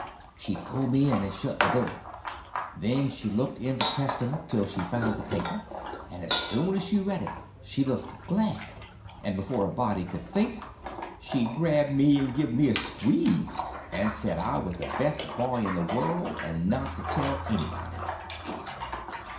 She pulled me in and shut the door; then she looked in the Testament till she found the paper, and as soon as she read it she looked glad; and before a body could think she grabbed me and give me a squeeze, and said I was the best boy in the world, and not to tell anybody.